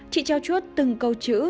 chị trao chuốt từng câu chữ